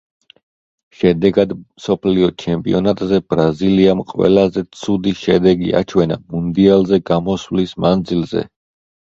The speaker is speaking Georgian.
შედეგად მსოფლიო ჩემპიონატზე ბრაზილიამ ყველაზე ცუდი შედეგი აჩვენა მუნდიალზე გამოსვლის მანძილზე.